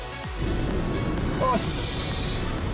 よし！